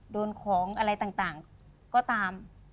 โดนของอะไรต่างก็ตาม